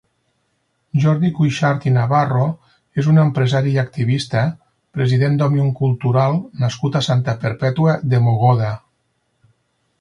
Jordi Cuixart i Navarro és un empresari i activista, president d'Òmnium Cultural nascut a Santa Perpètua de Mogoda.